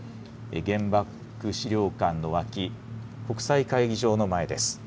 原爆資料館の脇、国際会議場の前です。